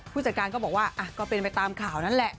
ผู้จัดการก็บอกว่าก็เป็นไปตามข่าวนั่นแหละ